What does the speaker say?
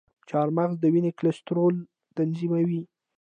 چارمغز د وینې کلسترول تنظیموي.